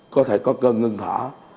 có thể có cơn ngưng thở